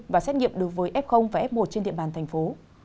và xét nghiệm đối với f và f một trên địa bàn thành phố